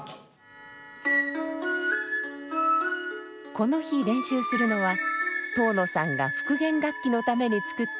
この日練習するのは東野さんが復元楽器のために作った新曲です。